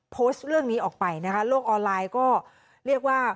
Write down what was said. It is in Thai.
โพสต์เรื่องนี้ออกไปนะคะโลกออนไลน์ก็เรียกว่า